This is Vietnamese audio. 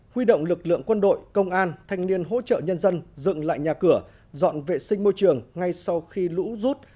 huy động lực lượng quân đội công an thanh niên hỗ trợ nhân dân dựng lại nhà cửa dọn vệ sinh môi trường ngay sau khi lũ rút